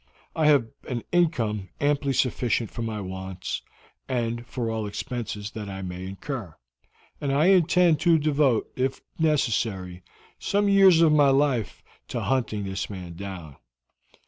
I have an income amply sufficient for my wants, and for all expenses that I may incur, and I intend to devote, if necessary, some years of my life to hunting this man down.